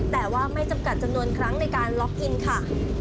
แต่ว่าไม่จำกัดจำนวนครั้งในการล็อกอินค่ะ